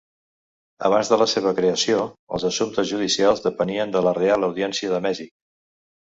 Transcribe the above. Abans de la seva creació, els assumptes judicials depenien de la Reial Audiència de Mèxic.